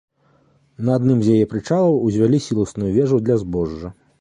На адным з яе прычалаў узвялі сіласную вежу для збожжа.